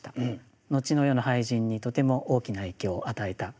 後の世の俳人にとても大きな影響を与えた方です。